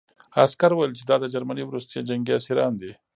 عسکر وویل چې دا د جرمني وروستي جنګي اسیران دي